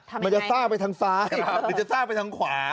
มันจะสร้างไปทางซ้ายหรือจะสร้างไปทางขวา